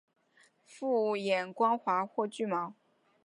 复眼光滑或具毛。